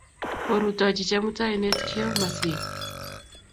kworutochi chemutai inetkio masil